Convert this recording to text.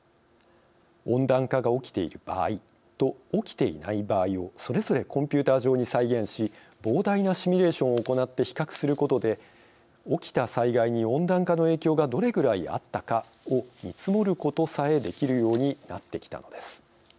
温暖化が起きている場合と起きていない場合をそれぞれコンピューター上に再現し膨大なシミュレーションを行って比較することで起きた災害に温暖化の影響がどれぐらいあったかを見積もることさえできるようになってきたのです。